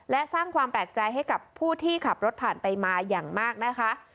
และสร้างความแปลกใจให้กับผู้ที่ขับรถผ่านไปมาอย่างมากนะคะ